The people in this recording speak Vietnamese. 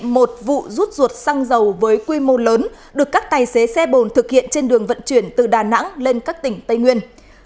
một vụ rút ruột xăng dầu với quy mô lớn được các tài xế xe bồn thực hiện trên đường vận chuyển từ đà nẵng lên các tỉnh tây nguyên